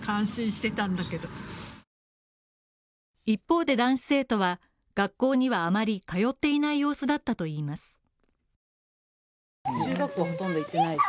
一方で男子生徒は学校にはあまり通っていない様子だったといいます。